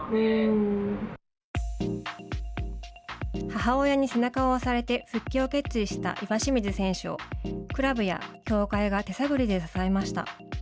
母親に背中を押されて復帰を決意した岩清水選手をクラブや協会が手探りで支えました。